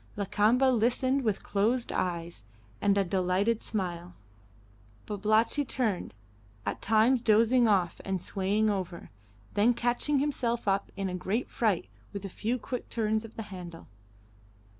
Lakamba listened with closed eyes and a delighted smile; Babalatchi turned, at times dozing off and swaying over, then catching himself up in a great fright with a few quick turns of the handle.